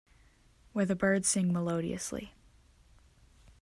Where the birds sing melodiously.